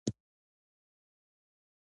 ایا زه باید کرکه وکړم؟